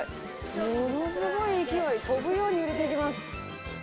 ものすごい勢い、飛ぶように売れていきます。